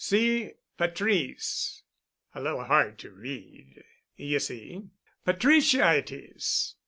See, Patrice—a little hard to read, ye see. Patricia it is.